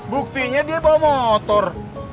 buktinya dia bawa motor